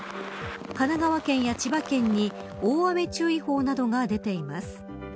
神奈川県や千葉県に大雨注意報などが出ています。